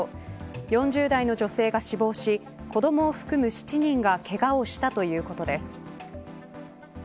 ４０代の女性が死亡し子どもを含む７人がけがをしたということです。